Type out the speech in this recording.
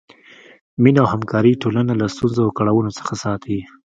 مینه او همکاري ټولنه له ستونزو او کړاوونو څخه ساتي.